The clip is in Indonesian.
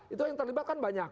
itu yang terlibat kan banyak